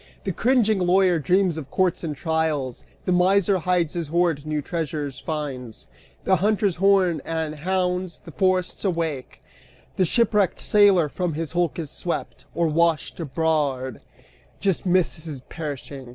The cringing lawyer dreams of courts and trials, The miser hides his hoard, new treasures finds: The hunter's horn and hounds the forests wake, The shipwrecked sailor from his hulk is swept. Or, washed aboard, just misses perishing.